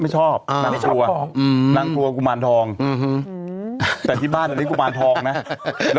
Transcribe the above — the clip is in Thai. ฉันกลัวเป็นกุมารทองเนี่ยตอนนั้น